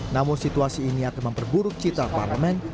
namun situasi ini akan memperburuk cita parlemen